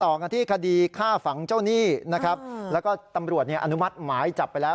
ต่อกันที่คดีฆ่าฝังเจ้าหนี้นะครับแล้วก็ตำรวจเนี่ยอนุมัติหมายจับไปแล้ว